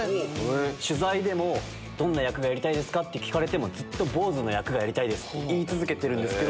取材でも、どんな役がやりたいですかって聞かれても、ずっと坊主の役がやりたいですって言い続けてるんですけど。